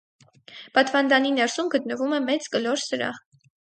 Պատվանդանի ներսում գտնվում է մեծ կլոր սրահ։